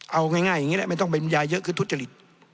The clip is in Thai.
เอาง่ายอย่างนี้แหละไม่ต้องเป็นบรรยายเยอะคือทุจริต